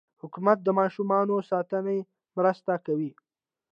حکومت د ماشوم ساتنې مرسته کوي.